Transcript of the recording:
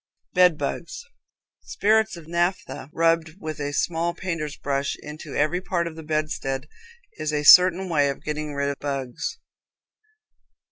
Bed Bugs. Spirits of naphtha rubbed with a small painter's brush into every part of the bedstead is a certain way of getting rid of bugs.